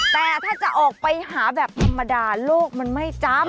แต่ถ้าจะออกไปหาแบบธรรมดาโลกมันไม่จำ